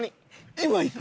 今行く。